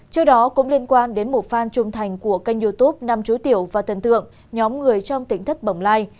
trước đó cũng liên quan đến một fan trung thành của kênh youtube nam chú tiểu và tân tượng nhóm người trong tỉnh thất bồng lai